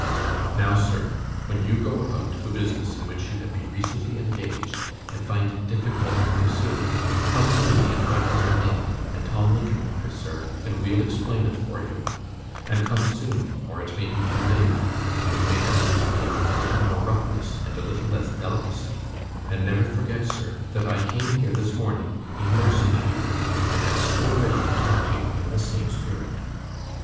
Now, sir, when you go about the business in which you have been recently engaged, and find it difficult of pursuing, come to me and my brother Ned, and Tim Linkinwater, sir, and we'll explain it for you and come soon, or it may be too late, and you may have it explained with a little more roughness, and a little less delicacy and never forget, sir, that I came here this morning, in mercy to you, and am still ready to talk to you in the same spirit.